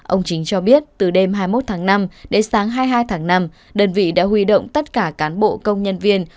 ông chính cho biết từ đêm hai mươi một tháng năm đến sáng hai mươi hai tháng năm đơn vị đã huy động tất cả cán bộ công nhân viên